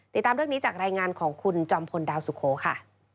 ติดตามเรื่องนี้จากรายงานของคุณจอมพลดาวสุโขค่ะ